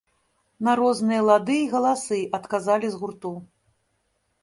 На розныя лады й галасы адказалі з гурту.